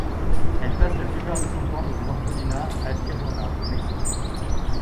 Elle passe la plupart de son temps dans un orphelinat à Tijuana, au Mexique.